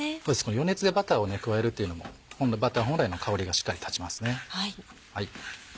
余熱でバターを加えるっていうのもバター本来の香りがしっかり立ちますね。